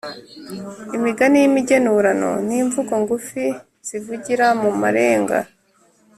imigani y’imigenurano ni imvugo ngufi zivugira mu marenga